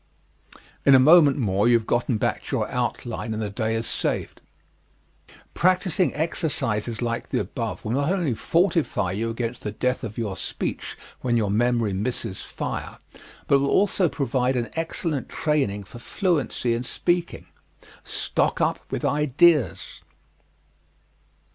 In a moment more you have gotten back to your outline and the day is saved. Practising exercises like the above will not only fortify you against the death of your speech when your memory misses fire, but it will also provide an excellent training for fluency in speaking. _Stock up with ideas.